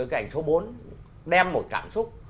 cái ảnh số bốn đem một cảm xúc